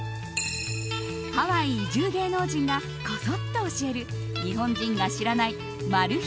ハワイ移住芸能人がコソッと教える日本人が知らないマル秘